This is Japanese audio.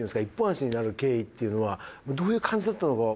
足になる経緯っていうのはどういう感じだったのか。